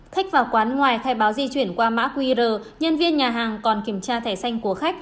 khách vào quán ngoài khai báo di chuyển qua mã qr nhân viên nhà hàng còn kiểm tra thẻ xanh của khách